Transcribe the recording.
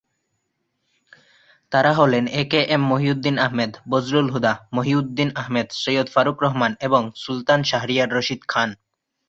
তারা হলেন A K M Mohiuddin Ahmed, Bazlul Huda, Mohiuddin Ahmed, Syed Farooq Rahman, এবং সুলতান শাহরিয়ার রশিদ খান।